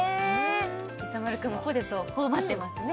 やさ丸くんもポテト頬張ってますね